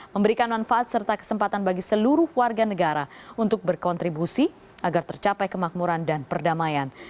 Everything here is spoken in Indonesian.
memberikan manfaat serta kesempatan bagi seluruh warga negara untuk berkontribusi agar tercapai kemakmuran dan perdamaian